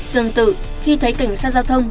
tương tự khi thấy cảnh sát giao thông